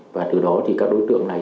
và từ đó thì các đối tượng này